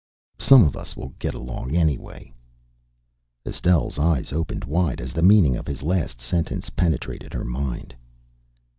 Some of us will get along, anyway." Estelle's eyes opened wide as the meaning of his last sentence penetrated her mind.